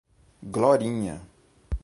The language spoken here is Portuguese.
Glorinha